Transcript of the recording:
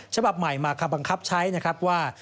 ฉบับใหม่มาคำบังคับใช้นะครับว่า